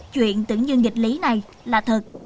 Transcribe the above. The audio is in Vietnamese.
chuyện tưởng như dịch lý này là thật